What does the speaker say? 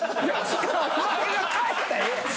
お前が換えたらええやん！